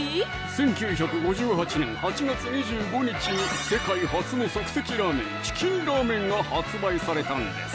１９５８年８月２５日に世界初の即席ラーメン「チキンラーメン」が発売されたんです！